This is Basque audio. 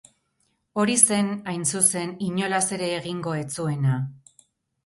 Hori zen, hain zuzen, inolaz ere egingo ez zuena.